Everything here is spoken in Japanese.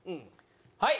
はい！